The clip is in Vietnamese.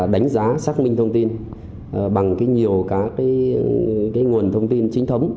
đánh giá xác minh thông tin bằng nhiều nguồn thông tin chính thấm